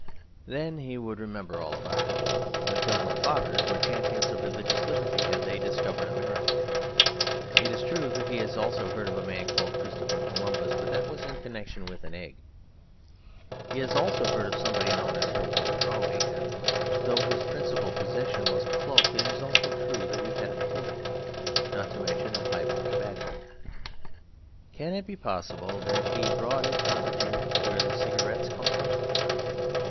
Then he would remember all about it. The Pilgrim Fathers were champions of religious liberty; and they discovered America. It is true that he has also heard of a man called Christopher Columbus; but that was in connection with an egg. He has also heard of somebody known as Sir Walter Raleigh; and though his principal possession was a cloak, it is also true that he had a potato, not to mention a pipe of tobacco. Can it be possible that he brought it from Virginia, where the cigarettes come from?